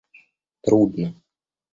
трудно